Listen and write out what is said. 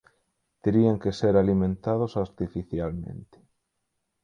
Terían que ser alimentados artificialmente.